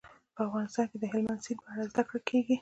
په افغانستان کې د هلمند سیند په اړه زده کړه کېږي.